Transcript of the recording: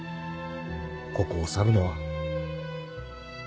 ここを去るのは。